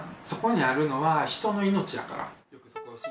そこにあるのは人の命やから。